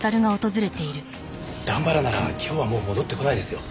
段原なら今日はもう戻って来ないですよ。